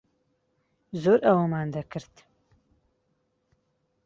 زۆر ئەوەمان دەکرد.